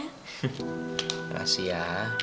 terima kasih ya